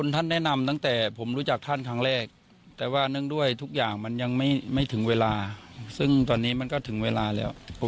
แต่มันยังไม่ถึงเวลาซึ่งตอนนี้มันก็ถึงเวลาแล้ว